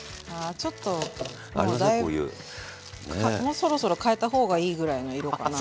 もうそろそろ変えた方がいいぐらいの色かな。